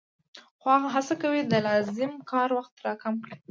خو هغه هڅه کوي د لازم کار وخت را کم کړي